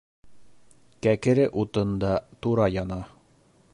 Кәкере утын да тура яна.